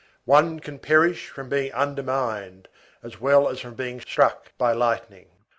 One can perish from being undermined as well as from being struck by lightning.